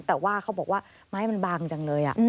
แต่ว่าเขาบอกว่าไม้มันบางจังเลย